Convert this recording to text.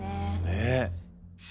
ねえ。